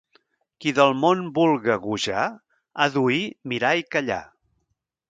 Qui del món vulga gojar, ha d'oir, mirar i callar.